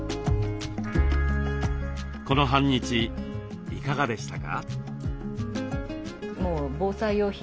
この半日いかがでしたか？